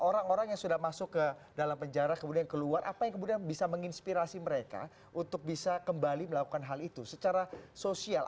orang orang yang sudah masuk ke dalam penjara kemudian keluar apa yang kemudian bisa menginspirasi mereka untuk bisa kembali melakukan hal itu secara sosial